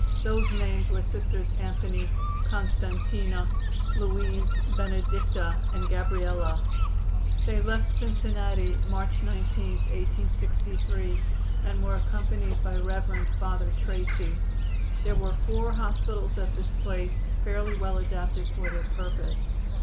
Those named were Sisters Anthony, Constantina, Louise, Benedicta and Gabriella. They left Cincinnati March 19, 1863, and were accompanied by Rev. Father Tracy. There were four hospitals at this place, fairly well adapted for their purpose.